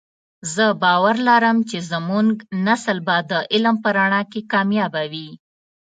زه باور لرم چې زمونږ نسل به د علم په رڼا کې کامیابه وی